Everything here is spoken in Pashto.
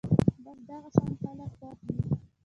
بس دغه شان خلک خوښ دي